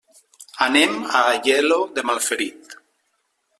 Anem a Aielo de Malferit.